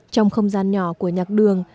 trong không gian nhỏ của nhạc đường